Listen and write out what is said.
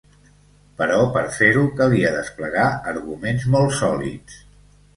Però per fer-ho calia desplegar arguments molt sòlids.